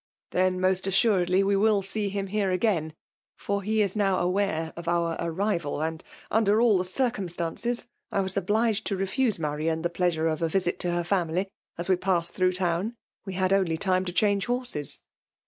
" Then most assuredly we shall see him here again, for he is now aware of our arrival ; w^A, under all the circumstances, I was obliged to refiise Marian the pleasure of a visit to her family as we passed through town. We had only time to change horses.